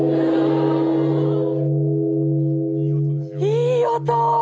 いい音！